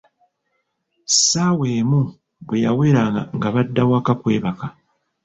Ssaawa emu bwe yaweranga nga badda waka kwebaka.